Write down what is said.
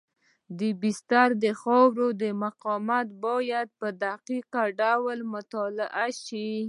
د بستر د خاورې مقاومت باید په دقیق ډول مطالعه شي